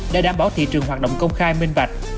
để đảm bảo thị trường hoạt động công khai minh bạch